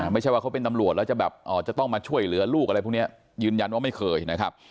ไม่ใช่ว่าเขาเป็นตำรวจแล้วจะแบบจะต้องมาช่วยเหลือลูกอะไรพวกนี้ยืนยันว่าไม่เคยนะครับ